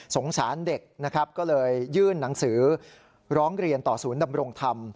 สารเด็กนะครับก็เลยยื่นหนังสือร้องเรียนต่อศูนย์ดำรงธรรม